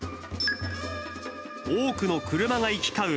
多くの車が行き交う